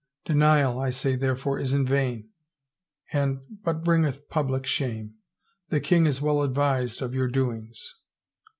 Denial, I say therefore, is vain and but bringeth public shame. The king is well advised of your doings.